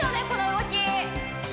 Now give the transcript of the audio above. この動き！